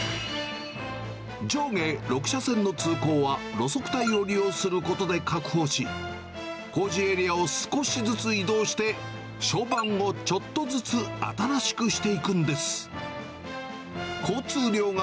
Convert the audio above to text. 上下６車線の通行は路側帯を利用することで確保し、工事エリアを少しずつ移動して、床版をちょっとずつ新しくしていくんです。